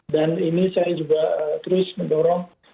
dan ini saya juga terus mendorong